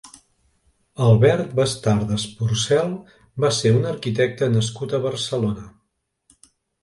Albert Bastardes Porcel va ser un arquitecte nascut a Barcelona.